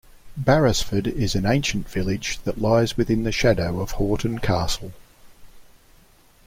Barrasford is an ancient village that lies within the shadow of Haughton Castle.